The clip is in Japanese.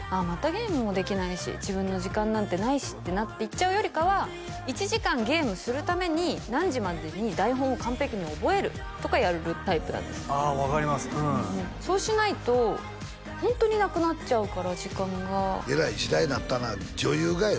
ゲームもできないし自分の時間なんてないしってなっていっちゃうよりかは１時間ゲームするために何時までに台本を完璧に覚えるとかやるタイプなんですああ分かりますうんうんうんそうしないとホントになくなっちゃうから時間がえらい時代になったな女優がよ